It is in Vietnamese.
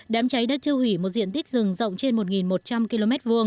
đám cháy đã thiêu hủy một diện tích rừng rộng trên một một trăm linh km hai